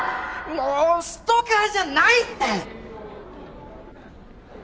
もうストーカーじゃないって！